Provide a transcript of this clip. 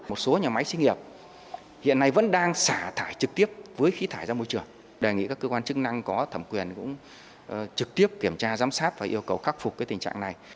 một số nhà máy sinh nghiệp hiện nay vẫn đang xả thải trực tiếp với khí thải ra môi trường đề nghị các cơ quan chức năng có thẩm quyền cũng trực tiếp kiểm tra giám sát và yêu cầu khắc phục tình trạng này